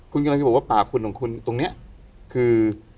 คุณกำลังจะบอกว่าปากคุณของคุณตรงนี้คือ